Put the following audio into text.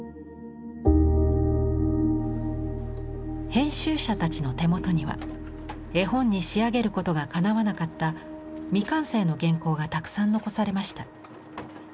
編集者たちの手元には絵本に仕上げることがかなわなかった未完成の原稿がたくさん残されました。